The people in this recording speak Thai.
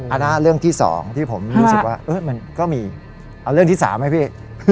อันนั้นเรื่องที่๒ที่ผมรู้สึกว่ามันก็มีเอาเรื่องที่๓ไหมพี่